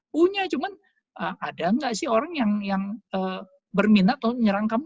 punya cuman ada nggak sih orang yang berminat untuk menyerang kamu